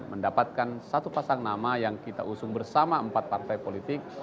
mendapatkan satu pasang nama yang kita usung bersama empat partai politik